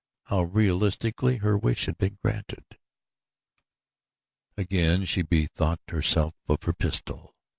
how realistically her wish had been granted. Again she bethought herself of her pistol.